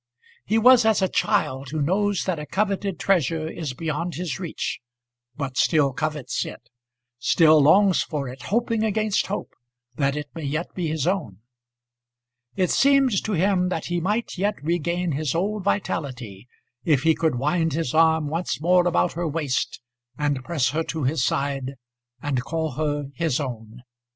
He was as a child who knows that a coveted treasure is beyond his reach, but still covets it, still longs for it, hoping against hope that it may yet be his own. It seemed to him that he might yet regain his old vitality if he could wind his arm once more about her waist, and press her to his side, and call her his own.